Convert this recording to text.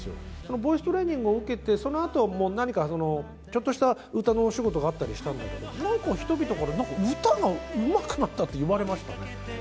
ボイストレーニングを受けて、そのあと、もう何か、ちょっとした歌のお仕事があったりしたんだけど、なんか人々から、なんか、歌がうまくなったって言われましたね。